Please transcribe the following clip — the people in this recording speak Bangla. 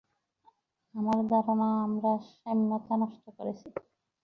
আমার ধারণা আমরা সাম্যতা নষ্ট করেছি।